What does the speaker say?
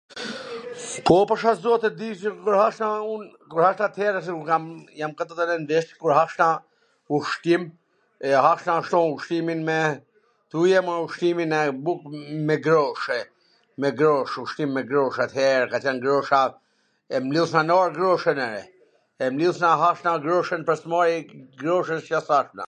Po, pasha zotin, e di, se kur hasha un, kur hasha at-here se un kam, jam katwrdhet e nand vjeC, kur hasha ushqim, e hasha ashtu ushqimin me..., thuje mor ushqimin e ... buk me groosh, e, me grosh, ushqim me grosh, at-here ka qwn grosha..., e mblidhsha n arr groshwn, ere, e mblidhsha e hashna groshwn pwr s mari groshwn si a ...